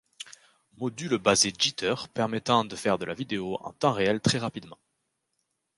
Module basé Jitter permettant de faire de la vidéo en temps réel très rapidement.